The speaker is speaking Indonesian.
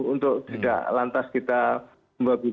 untuk tidak lantas kita membawa ya